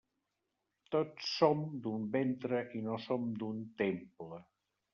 Tots som d'un ventre i no som d'un «temple».